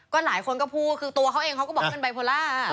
ก็หลายคนก็พูดคือตัวเขาเองเขาก็บอกเป็นไบโพล่า